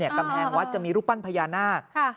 กำแพงวัดจะมีรูปปั้นพญานาค